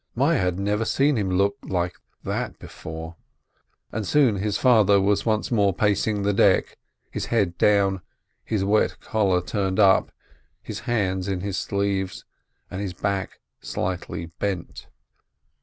Meyerl had never seen him look like that before, but soon his father was once more pacing the deck, his head down, his wet collar turned up, his hands in his sleeves, and his back slightly bent.